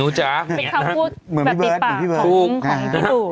นู้จำเหมือนพี่เบิร์ดแบบปีปากเป็นพี่เบอร์ดถูกของพี่ทู่